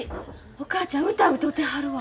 お母ちゃん歌歌うてはるわ。